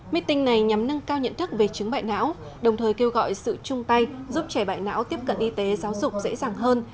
meeting này nhằm nâng cao nhận thức về chứng bại não đồng thời kêu gọi sự chung tay giúp trẻ bại não tiếp cận y tế giáo dục dễ dàng hơn